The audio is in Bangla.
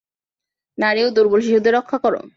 নারী ও দুর্বল শিশুদের রক্ষা কর।